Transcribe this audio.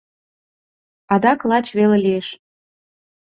Адак лач веле лиеш.